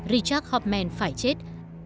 richard hauptmann phải chết